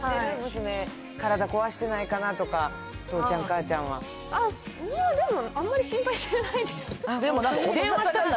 娘、体壊してないかなとか、父ちゃん、母ちゃんでも、あんまり心配してないでもなんか。